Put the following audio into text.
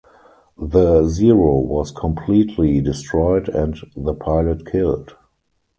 The Zero was completely destroyed and the pilot killed.